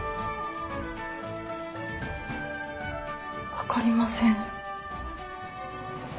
分かりません。